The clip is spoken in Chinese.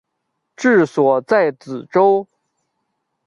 治所在梓州。